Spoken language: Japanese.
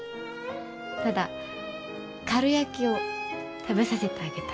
ただかるやきを食べさせてあげたい。